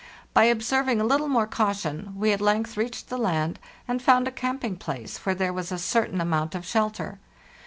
By observing a little more caution, we at length reached the land, and found a camping place where there was a certain amount of shelter.